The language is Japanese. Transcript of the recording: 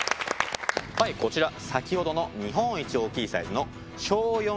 こちら先ほどの日本一大きいサイズの正四